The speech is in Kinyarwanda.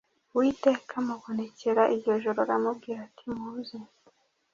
uwiteka amubonekera iryo joro aramubwira ati muze